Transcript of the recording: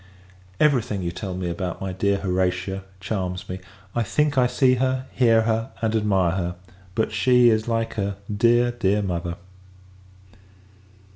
Every thing you tell me about my dear Horatia charms me. I think I see her, hear her, and admire her; but, she is like her dear, dear mother.